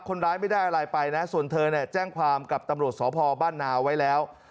คนร้ายไม่ได้อะไรไปนะส่วนเธอเนี่ยแจ้งความกับตำรวจสพบ้านนาไว้แล้ว